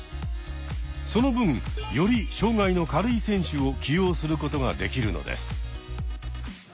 その分より障害の軽い選手を起用することができるのです。